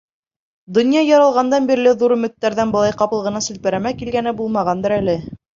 Донъя яралғандан бирле ҙур өмөттәрҙең былай ҡапыл ғына селпәрәмә килгәне булмағандыр әле.